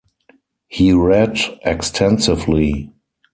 He read extensively.